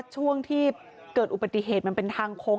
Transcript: ช่วงที่เกิดอุบัติเหตุมันเป็นทางโค้ง